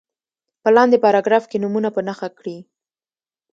په لاندې پاراګراف کې نومونه په نښه کړي.